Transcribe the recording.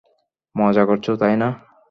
মজা করছো, তাই না?